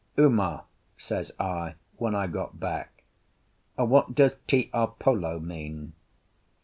"Uma," says I, when I got back, "what does Tiapolo mean?"